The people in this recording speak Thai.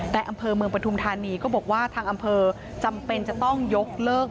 แต่อำเภอเมืองปฐุมธานีก็บอกว่าทางอำเภอจำเป็นจะต้องยกเลิก